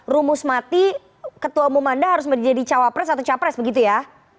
rumus mati ketua umum anda harus menjadi cawapres atau capres begitu ya